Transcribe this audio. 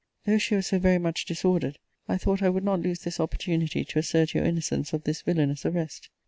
Though she was so very much disordered, I thought I would not lose this opportunity to assert your innocence of this villanous arrest.